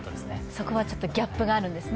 そこはギャップがあるんですね。